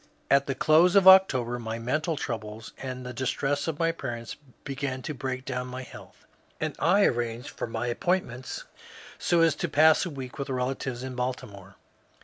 At the close of October my mental troubles and the distress of my parents began to break down my health, and I arranged for my ap pointments so as to pass a week with relatives in Baltimore.